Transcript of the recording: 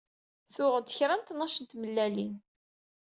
Tuɣ-d kra n tnac n tmellalin.